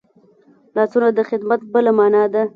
لاسونه د خدمت بله مانا ده